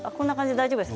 大丈夫です